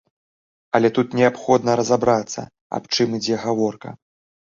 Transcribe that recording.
Але тут неабходна разабрацца, аб чым ідзе гаворка.